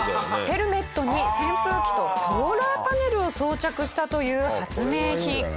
ヘルメットに扇風機とソーラーパネルを装着したという発明品。